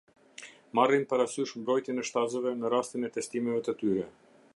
Marrin parasysh mbrojtjen e shtazëve në rastin e testimeve të tyre.